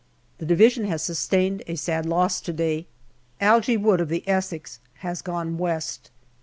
The Division has sustained a sad loss to day. Algy Wood, of the Essex, has gone West.